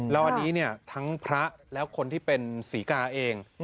แล้วอันนี้เนี่ยทั้งพระแล้วคนที่เป็นศรีกาเอง